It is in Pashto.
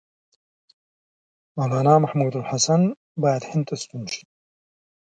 مولنا محمودالحسن باید هند ته ستون شي.